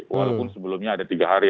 walaupun sebelumnya ada tiga hari